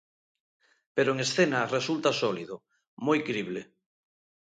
Pero en escena resulta sólido, moi crible.